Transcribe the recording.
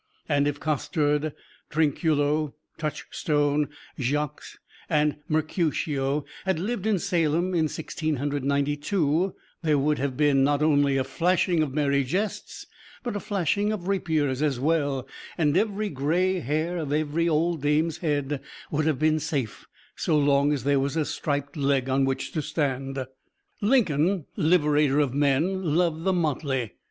And if Costard, Trinculo, Touchstone, Jaques and Mercutio had lived in Salem in Sixteen Hundred Ninety two, there would have been not only a flashing of merry jests, but a flashing of rapiers as well, and every gray hair of every old dame's head would have been safe so long as there was a striped leg on which to stand. Lincoln, liberator of men, loved the motley.